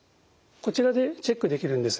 こちらでチェックできるんです。